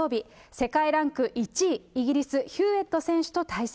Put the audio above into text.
世界ランク１位、イギリス、ヒューエット選手と対戦。